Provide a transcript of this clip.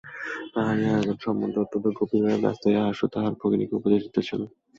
তাহারই আয়োজন সম্বন্ধে অত্যন্ত গম্ভীরভাবে ব্যস্ত হইয়া আশু তাহার ভগিনীকে উপদেশ দিতেছিল।